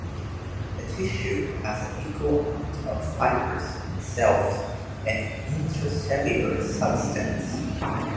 The tissue has an equal amount of fibers, cells, and intercellular substance.